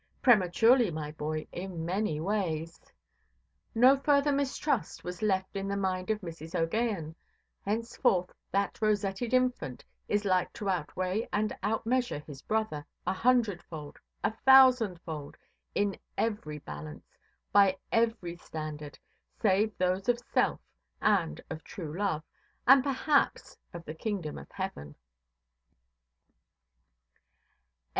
Prematurely, my boy, in many ways. No further mistrust was left in the mind of Mrs. OʼGaghan. Henceforth that rosetted infant is like to outweigh and outmeasure his brother, a hundredfold, a thousandfold, in every balance, by every standard, save those of self, and of true love, and perhaps of the kingdom of Heaven.